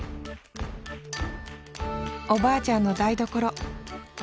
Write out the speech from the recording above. おばあちゃんの台所。